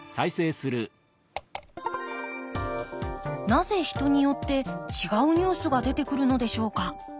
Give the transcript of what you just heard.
なぜ人によって違うニュースが出てくるのでしょうか。